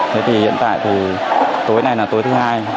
hiện tại thì tối này là tối thứ hai